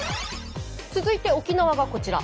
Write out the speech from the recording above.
続いて沖縄がこちら。